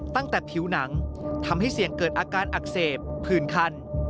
ตั้งแต่ผิวหนังทำให้เสี่ยงเกิดอาการอักเสบผื่นคัน